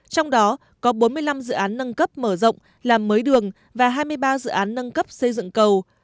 trong đó có bốn mươi năm dự án nâng cấp mở rộng làm mới đường và hai mươi ba dự án nâng cấp xây dựng cầu